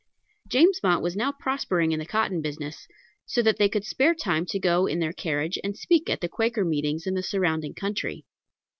James Mott was now prospering in the cotton business, so that they could spare time to go in their carriage and speak at the Quaker meetings in the surrounding country.